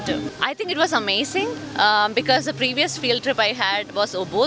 saya pikir itu luar biasa karena field trip sebelumnya yang saya lakukan adalah ubud